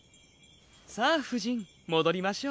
さあふじんもどりましょう。